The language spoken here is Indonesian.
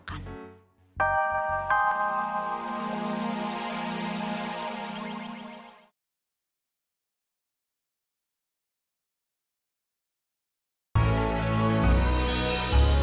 sekarang kita tungguerusin ke pabrik gue oleh kebijakananku